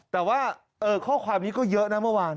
แต่ว่าข้อความนี้ก็เยอะนะเมื่อวาน